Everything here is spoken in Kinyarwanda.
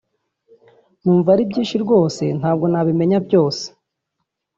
Numva ari byinshi rwose ntabwo nabimenya byose